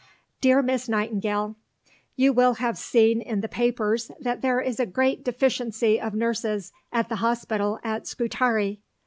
DEAR MISS NIGHTINGALE You will have seen in the papers that there is a great deficiency of nurses at the Hospital at Scutari.